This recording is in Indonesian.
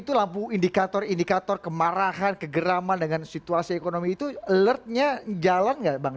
itu lampu indikator indikator kemarahan kegeraman dengan situasi ekonomi itu alertnya jalan nggak bang